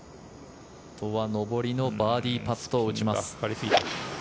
上りのバーディーパットを打ちます。